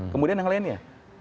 kemudian yang lainnya